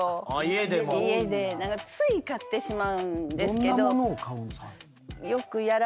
つい買ってしまうんですけど。